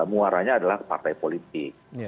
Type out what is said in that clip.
muaranya adalah partai politik